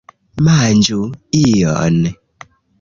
Manĝu ion!